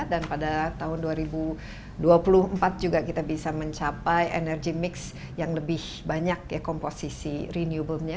pada tahun dua ribu dua puluh empat juga kita bisa mencapai energy mix yang lebih banyak ya komposisi renewable nya